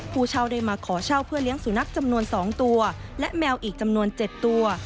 ผู้เช่าได้มาขอเช่าเพื่อเลี้ยงสุนัขจำนวน๒ตัวและแมวอีกจำนวน๗ตัว